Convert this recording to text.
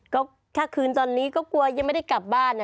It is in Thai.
ก็ถ้าคืนตอนนี้ก็กลัวยังไม่ได้กลับบ้านนะ